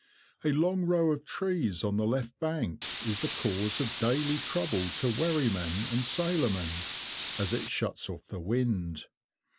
A long row of trees on the left bank is the cause of daily trouble to wherrymen and sailormen, as it shuts off the wind.